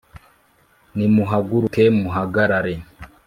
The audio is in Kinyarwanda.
nimuhaguruke muhagarare